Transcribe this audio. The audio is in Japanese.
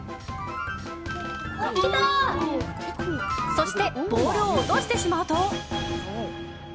そしてボールを落としてしまうと。